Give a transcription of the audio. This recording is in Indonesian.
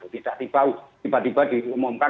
tidak tiba tiba diumumkan